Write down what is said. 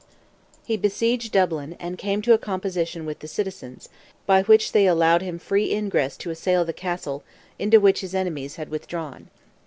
He besieged Dublin, and came to a composition with the citizens, by which they agreed to allow him free ingress to assail the Castle, into which his enemies had withdrawn.